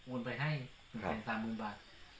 โอนไปให้๑แสน๓บาท